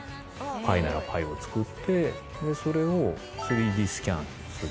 パイならパイを作ってそれを３Ｄスキャンする。